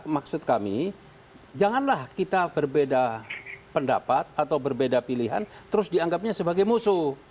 maksud kami janganlah kita berbeda pendapat atau berbeda pilihan terus dianggapnya sebagai musuh